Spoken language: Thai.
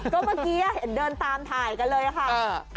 ก็เมื่อกี้เห็นเดินตามถ่ายกันเลยค่ะ